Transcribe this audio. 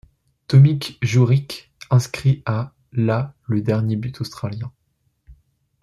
Tomi Jurić inscrit à la le dernier but australien.